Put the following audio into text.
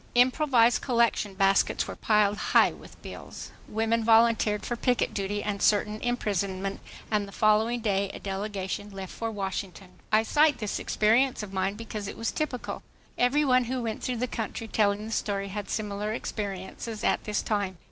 Improvised collection baskets were piled high with bills. Women volunteered for picket duty and certain imprisonment, and the following day a delegation left for Washington. I cite this experience of mine because it was typical. Every one who went through the country telling the story had similar experiences at this time.